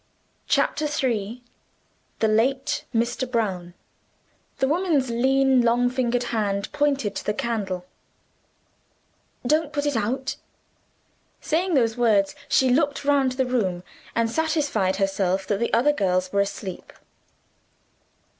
CHAPTER III. THE LATE MR. BROWN. The woman's lean, long fingered hand pointed to the candle. "Don't put it out." Saying those words, she looked round the room, and satisfied herself that the other girls were asleep.